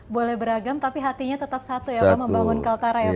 boleh beragam tapi hatinya tetap satu ya pak membangun kaltara ya pak